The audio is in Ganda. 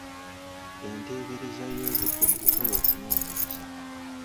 Enteebereza y’obudde mu kukola okunoonyereza.